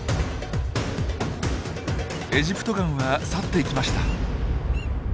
エジプトガンは去っていきました。